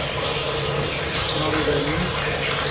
¿no bebería?